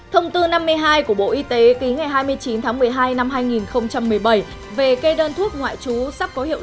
thông tư năm mươi hai của bộ y tế ký ngày hai mươi chín tháng một mươi hai năm hai nghìn một mươi bảy về kê đơn thuốc ngoại trú sắp có hiệu